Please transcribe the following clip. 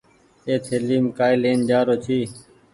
اي ٿليم ڪآئي لين آرو ڇي۔